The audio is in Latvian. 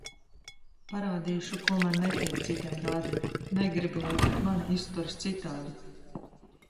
Parādīšu, ko man netīk citiem rādīt, negribu, lai pret mani izturas citādi.